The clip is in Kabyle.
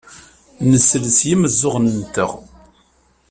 Nsell s yimeẓẓuɣen-nteɣ.